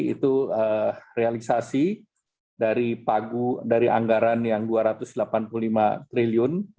itu realisasi dari anggaran yang rp dua ratus delapan puluh lima triliun